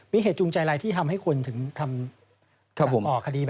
มีเหตุจูงใจอะไรที่ทำให้คนถึงทำคดีแบบนี้